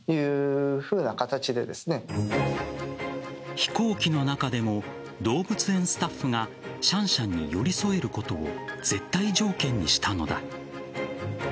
飛行機の中でも動物園スタッフがシャンシャンに寄り添えることを絶対条件にしたのだ。